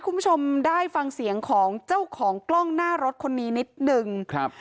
คุณผู้ชมได้ฟังเสียงของเจ้าของกล้องหน้ารถคนนี้นิดหนึ่งครับ